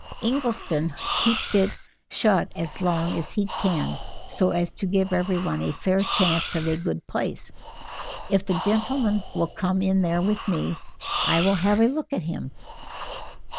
Ingleston keeps it shut as long as he can so as to give everyone a fair chance of a good place. If the gentleman will come in there with me I will have a look at him."